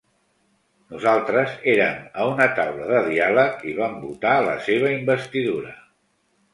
Nosaltres érem a una taula de diàleg i vam votar la seva investidura.